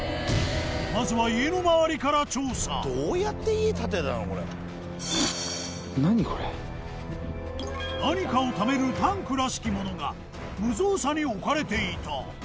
まずは何かをためるタンクらしきものが無造作に置かれていた。